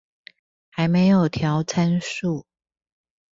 還沒調參數